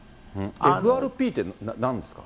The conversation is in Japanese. ＦＲＰってなんですか？